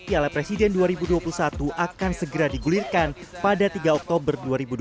piala presiden dua ribu dua puluh satu akan segera digulirkan pada tiga oktober dua ribu dua puluh